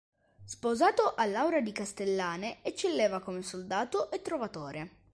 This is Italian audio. Sposato a Laura di Castellane, eccelleva come soldato e trovatore.